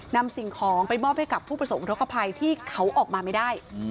สิ่งของไปมอบให้กับผู้ประสงค์ทกภัยที่เขาออกมาไม่ได้